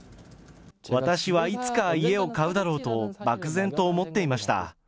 私はいつか家を買うだろうと漠然と思っていました。